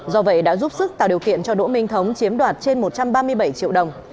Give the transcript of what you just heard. do vậy đã giúp sức tạo điều kiện cho đỗ minh thống chiếm đoạt trên một trăm ba mươi bảy triệu đồng